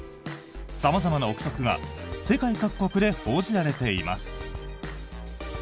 様々な臆測が世界各国で報じられています。